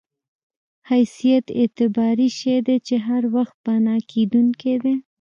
حیثیت اعتباري شی دی چې هر وخت پناه کېدونکی دی.